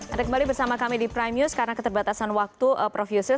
ada kembali bersama kami di prime news karena keterbatasan waktu prof yusril